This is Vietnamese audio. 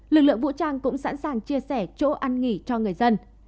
lực lượng vũ trang cũng sẵn sàng chia sẻ chỗ ăn nghỉ cho người dân